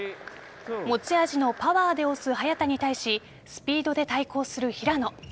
持ち味のパワーで押す早田に対しスピードで対抗する平野。